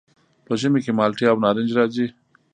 په ژمي کې مالټې او نارنج راځي.